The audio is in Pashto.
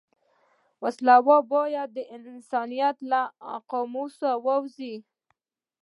وسله باید د انسانیت له قاموسه ووځي